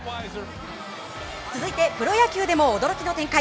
続いて、プロ野球でも驚きの展開。